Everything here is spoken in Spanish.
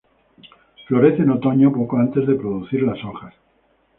Florece en otoño, poco antes de producir las hojas.